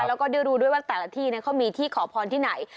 แล้วก็ได้รู้ด้วยว่าแต่ละที่เขามีที่ขอพรที่ไหน